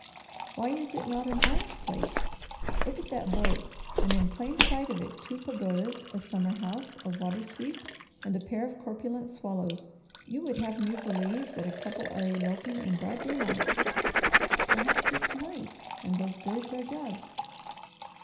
Why is it not an orange plate? Look at that boat! And in plain sight of it, two pagodas, a summer house, a water sweep, and a pair of corpulent swallows; you would have me believe that a couple are eloping in broad daylight." "Perhaps it's night! And those birds are doves."